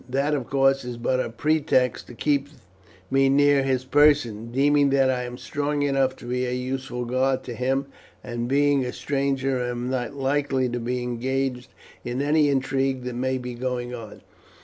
That, of course, is but a pretext to keep me near his person, deeming that I am strong enough to be a useful guard to him, and being a stranger am not likely to be engaged in any intrigue that may be going on.